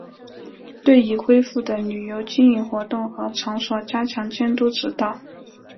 对已恢复的旅游经营活动和场所加强监督指导